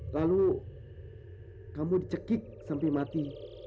lalu kamu dicekik sampai mati